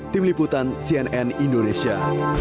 tim liputan cnn indonesia